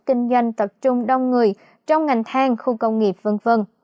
kinh doanh tập trung đông người trong ngành thang khu công nghiệp v v